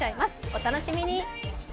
お楽しみに。